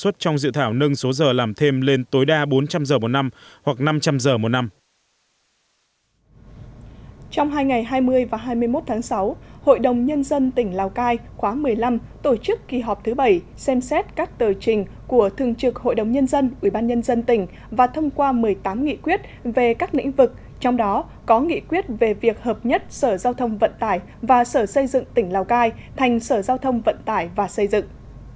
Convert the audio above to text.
trong hai ngày hai mươi và hai mươi một tháng sáu hội đồng nhân dân tỉnh lào cai khóa một mươi năm tổ chức kỳ họp thứ bảy xem xét các tờ trình của thường trực hội đồng nhân dân ủy ban nhân dân tỉnh và thông qua một mươi tám nghị quyết về các lĩnh vực trong đó có nghị quyết về việc hợp nhất sở giao thông vận tải và sở xây dựng tỉnh lào cai thành sở giao thông vận tải và xây dựng